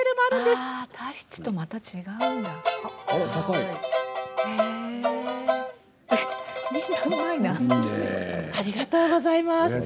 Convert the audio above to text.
ありがとうございます。